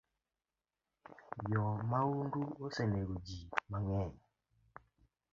Jo maundu osenego jii mangeny